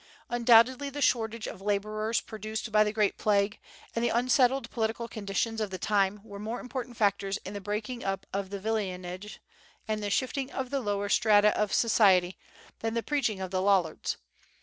Undoubtedly the shortage of laborers produced by the great plague, and the unsettled political conditions of the time were more important factors in the breaking up of villeinage and the shifting of the lower strata of society than the preaching of the Lollards.